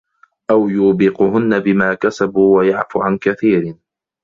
أَو يوبِقهُنَّ بِما كَسَبوا وَيَعفُ عَن كَثيرٍ